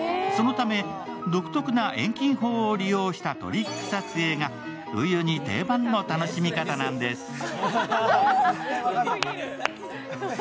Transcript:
そのため独特な遠近法を利用したトリック撮影がウユニ定番の楽しみ方なんです。